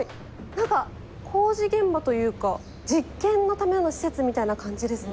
なんか工事現場というか実験のための施設みたいな感じですね。